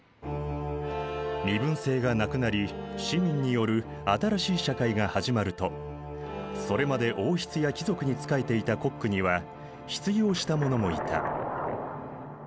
身分制がなくなり市民による新しい社会が始まるとそれまで王室や貴族に仕えていたコックには失業した者もいた。